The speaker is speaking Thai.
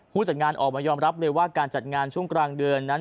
จัดงานออกมายอมรับเลยว่าการจัดงานช่วงกลางเดือนนั้น